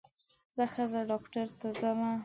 زه ښځېنه ډاکټر ته ځم